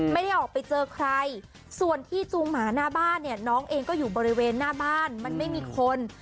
ไม่ได้ออกไปเจอใครส่วนที่จูงหมาหน้าบ้านเนี่ยน้องเองก็อยู่บริเวณหน้าบ้านมันไม่มีคน